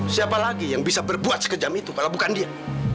siapa lagi yang bisa berbuat sekejam itu kalau bukan dia